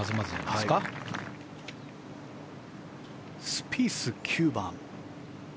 スピース、９番。